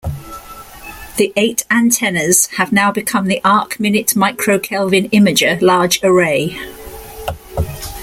The eight antennas have now become the Arcminute Microkelvin Imager Large Array.